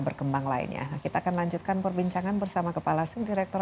berikut tetaplah bersama insight